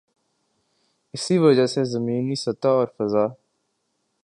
اسی وجہ سے زمینی سطح اور فضا